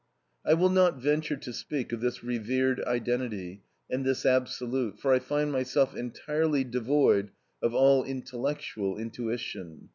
I will not venture to speak of this revered identity, and this absolute, for I find myself entirely devoid of all "intellectual intuition."